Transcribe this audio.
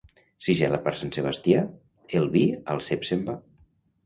Si gela per Sant Sebastià, el vi al cep se'n va.